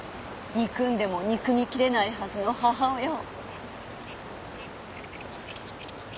憎んでも憎みきれないはずの母親を。